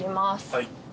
はい。